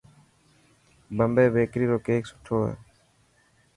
بمبي بيڪري روڪيڪ سٺو هي.